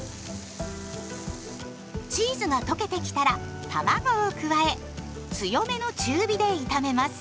チーズが溶けてきたらたまごを加え強めの中火で炒めます。